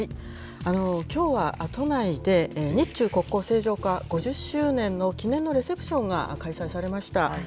きょうは都内で、日中国交正常化５０周年の記念のレセプションが開催されました。